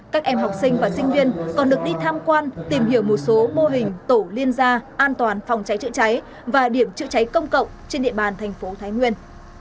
các em học sinh và sinh viên còn được đi tham quan tìm hiểu một số mô hình tổ liên gia an toàn phòng cháy chữa cháy và điểm chữa cháy công cộng trên địa bàn thành phố thái nguyên